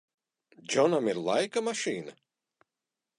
Džonam ir laika mašīna?